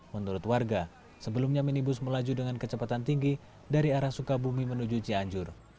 menurut warga sebelumnya minibus melaju dengan kecepatan tinggi dari arah sukabumi menuju cianjur